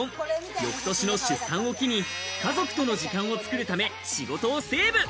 翌年の出産を機に、家族との時間を作るため仕事をセーブ。